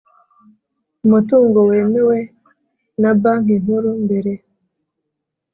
Umutungo wemewe na banki nkuru mbere